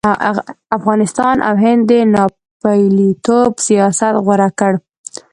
افغانستان او هند د ناپېلتوب سیاست غوره کړ.